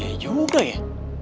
ya juga ya